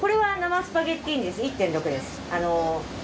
１．６です。